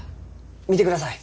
見てください。